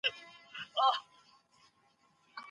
سیاسي بندیان د خپلو اساسي حقونو دفاع نه سي کولای.